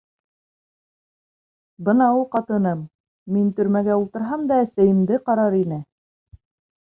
Бына ул ҡатыным, мин төрмәгә ултырһам да әсәйемде ҡарар ине!